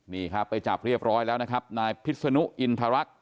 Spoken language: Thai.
นี่ครับไปจับเรียบร้อยแล้วนะครับนายพิษนุอินทรรักษ